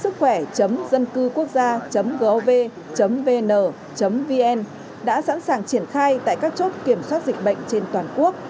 chấm dân cư quốc gia chấm gov chấm vn chấm vn đã sẵn sàng triển khai tại các chốt kiểm soát dịch bệnh trên toàn quốc